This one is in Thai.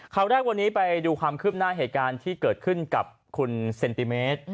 ข่าวแรกวันนี้ไปดูความคืบหน้าเหตุการณ์ที่เกิดขึ้นกับคุณเซนติเมตร